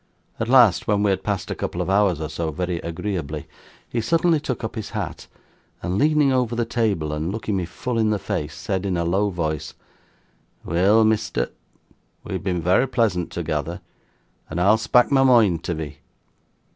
At last, when we had passed a couple of hours or so, very agreeably, he suddenly took up his hat, and leaning over the table and looking me full in the face, said, in a low voice: "Weel, Misther, we've been vara pleasant toogather, and ar'll spak' my moind tiv'ee.